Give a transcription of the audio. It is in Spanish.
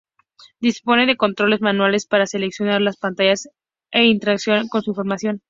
Dispone de dos controles manuales para seleccionar las pantallas e interaccionar con su información.